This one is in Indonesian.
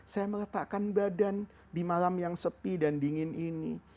saya meletakkan badan di malam yang sepi dan dingin ini